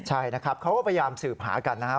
ใช่นะครับเขาก็พยายามสืบหากันนะครับ